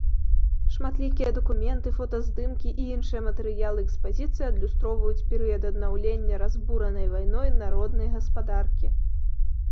Шматлікія дакументы, фотаздымкі і іншыя матэрыялы экспазіцыі адлюстроўваюць перыяд аднаўлення разбуранай вайной народнай гаспадаркі.